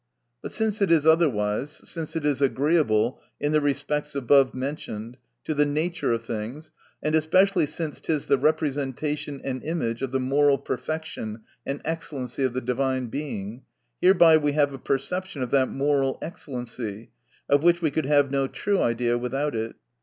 But since it is otherwise, since it is agreeable in the respects abovementioned, to the nature of things, and especially since it is the representation and image of the moral perfection and excellency of the Divine Being, hereby we have a perception of that moral excellency, of which we could have no true idea without it.